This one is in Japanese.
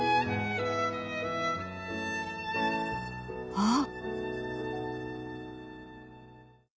あっ。